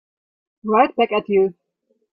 Right back at you.